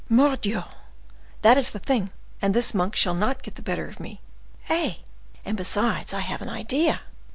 Mordioux! that is the thing, and this Monk shall not get the better of me. Eh? and besides I have an idea!"